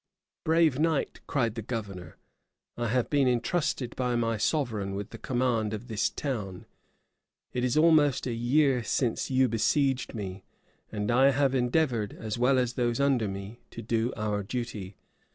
"Brave knight," cried the governor "I have been intrusted by my sovereign with the command of this town: it is almost a year since you besieged me; and I have endeavored, as well as those under me, to do our duty.